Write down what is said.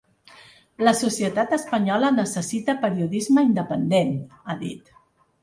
“La societat espanyola necessita periodisme independent”, ha dit.